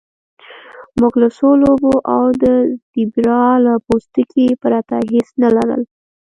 موږ له څو لوبو او د زیبرا له پوستکي پرته هیڅ نه لرل